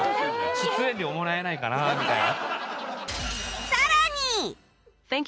出演料もらえないかなみたいな。